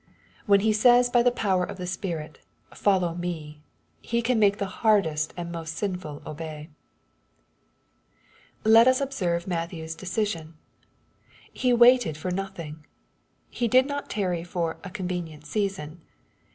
When He says by the power of the Spirit, ^^ follow me/' He can make the hardest and most sinful obey. Let us observe Matthew's deciaion. He waited foi nothing. He did not tarry for " a convenient season."